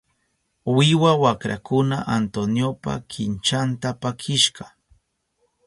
Wiwa wakrakuna Antoniopa kinchanta pakishka.